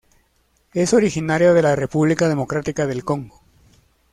Es originaria de la República Democrática del Congo.